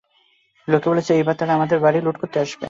লোকে বলছে এইবার তারা আমাদের বাড়ি লুট করতে আসবে।